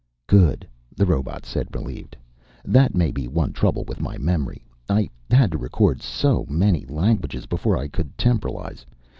"Good," the robot said, relieved. "That may be one trouble with my memory. I had to record so many languages before I could temporalize.